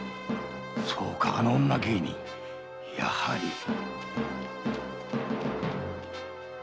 そうかあの女芸人やはり